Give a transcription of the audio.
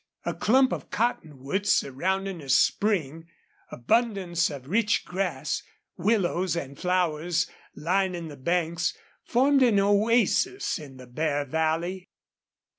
A clump of cottonwoods surrounding a spring, abundance of rich grass, willows and flowers lining the banks, formed an oasis in the bare valley.